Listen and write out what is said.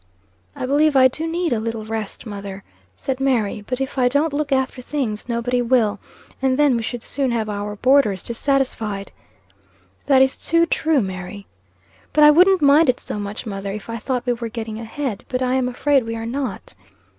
"I believe I do need a little rest, mother," said Mary; "but if I don't look after things, nobody will, and then we should soon have our boarders dissatisfied." "That is too true, Mary." "But I wouldn't mind it so much, mother, if I thought we were getting ahead. But I am afraid we are not."